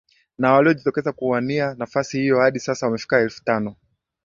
na waliojitokeza kuania nafasi hiyo hadi sasa wamefikia elfu tano